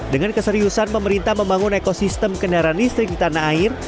dengan keseriusan pemerintah membangun ekosistem kendaraan listrik di tanah air